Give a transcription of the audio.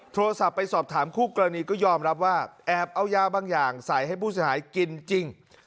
โทรศัพท์ไปสอบถามคู่กรณีก็ยอมรับว่าแอบเอายาบางอย่างใส่ให้ผู้เสียหายกินจริง